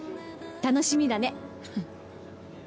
楽しみだね。